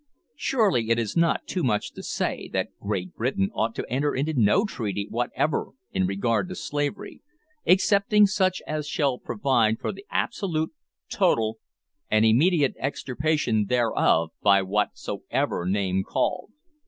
Surely it is not too much to say, that _Great Britain ought to enter into no treaty whatever in regard to slavery, excepting such as shall provide for the absolute, total, and immediate extirpation thereof by whatsoever name called_.